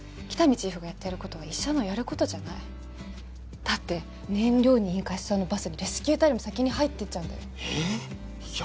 チーフがやってることは医者のやることじゃないだって燃料に引火しそうなバスにレスキュー隊よりも先に入ってっちゃうんだよえっや